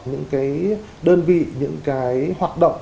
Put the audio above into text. những cái đơn vị những cái hoạt động